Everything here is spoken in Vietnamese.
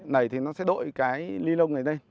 nảy thì nó sẽ đội cái li lông này đây